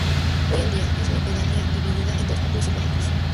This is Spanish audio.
Hoy en día, es una pedanía dividida en dos núcleos urbanos.